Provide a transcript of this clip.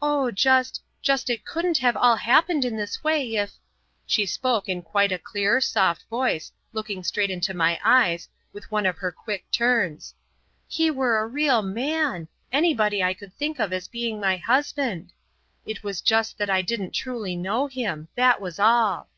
"Oh, just just it couldn't all have happened in this way if" she spoke in quite a clear, soft voice, looking straight into my eyes, with one of her quick turns "he were a real MAN anybody I could think of as being my husband. It was just that I didn't truly know him. That was all."